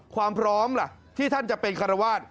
ความพร้อมล่ะที่ท่านจะเป็นคารวาส